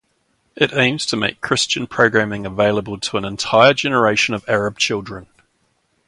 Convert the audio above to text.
It aims to make Christian programming available to an entire generation of Arab children.